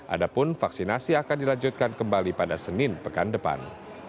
adapun vaksinasi akan dilanjutkan kembali pada senin pekan depan